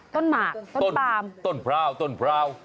ต้นหมากต้นปามต้นพร้าว